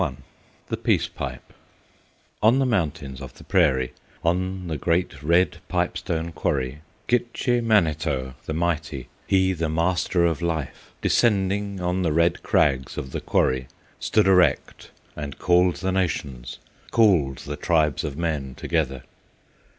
I The Peace Pipe On the Mountains of the Prairie, On the great Red Pipe stone Quarry, Gitche Manito, the mighty, He the Master of Life, descending, On the red crags of the quarry Stood erect, and called the nations, Called the tribes of men together.